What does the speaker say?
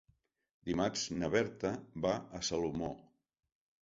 Dimarts na Berta va a Salomó.